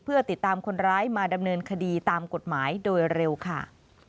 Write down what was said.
เพื่อติดตามคนร้ายมาดำเนินคดีตามกฎหมายโดยเร็วค่ะ